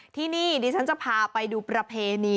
ที่นี่ดิฉันจะพาไปดูประเพณี